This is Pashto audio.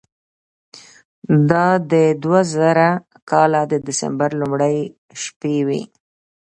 دا د دوه زره کال د دسمبر لومړۍ شپې وې.